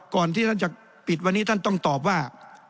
ก่อนที่ท่านจะปิดวันนี้ท่านต้องตอบว่า